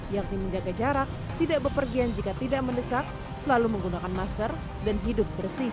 yakni menjaga jarak tidak berpergian jika tidak mendesak selalu menggunakan masker dan hidup bersih